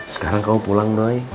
sekarang kamu pulang doi